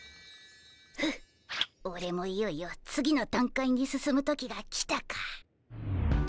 フッオレもいよいよ次の段階に進む時が来たか。